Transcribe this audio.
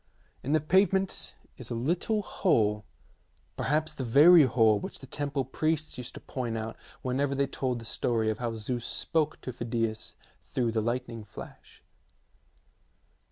In the pave ment is a little hole, perhaps the very hole which the temple priests used to point out whenever they told the story of how Zeus spoke to Phidias through the lightning flash.